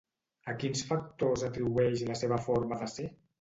A quins factors atribueix la seva forma de ser?